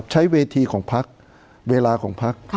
ใช้เวทีของพักเวลาของพัก